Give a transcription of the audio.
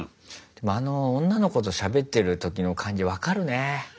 でもあの女の子としゃべってる時の感じ分かるね。